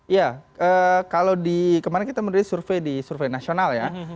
ya kalau di kemarin kita menerima survei di survei nasional ya